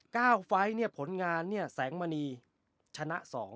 ก้าวไฟล์ผลงานแสงมณีทะครรภาพชนะสอง